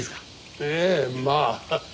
ええまあ。